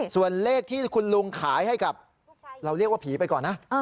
ส่วนเลขที่คุณลุงขายให้กับเราเรียกว่าผีไปก่อนนะ